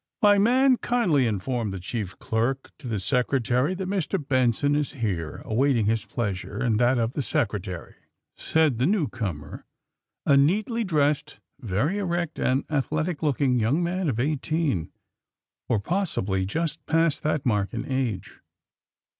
'*My man, kindly inform the chief clerk to the Secretary that Mr. Benson is here, awaiting his pleasure and that of the Secretary, '' said the newcomer, a neatly dressed, very erect and ath letic looking young man of eighteen, or possibly just past that mark in age.